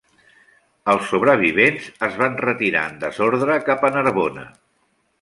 Els sobrevivents es van retirar en desordre cap a Narbona.